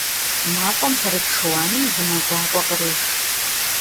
МафӀэм пэрыт шыуаным лымэ гуакӀуэ кърех.